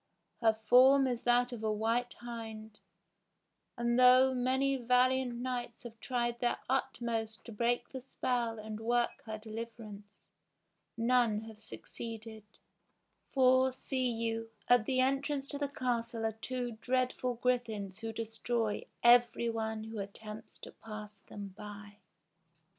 Her form is that of a white hind ; and though many valiant knights have tried their utmost to break the spell and work her deliverance, none have succeeded ; for, see you, at the entrance to the castle are two dreadful griffins who destroy every one who attempts to pass them by."